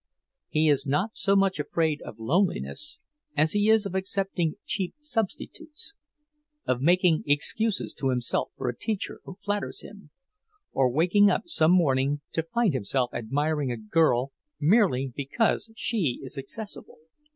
He is not so much afraid of loneliness as he is of accepting cheap substitutes; of making excuses to himself for a teacher who flatters him, of waking up some morning to find himself admiring a girl merely because she is accessible.